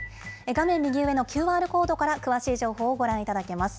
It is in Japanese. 画面右上のＱＲコードから詳しい情報をご覧いただけます。